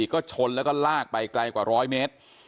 มาพอดีก็ชนแล้วก็ลากไปใกล้กว่าร้อยเมตร